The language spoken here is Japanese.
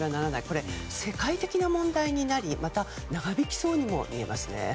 これ、世界的な問題になりまた、長引きそうにも見えますね。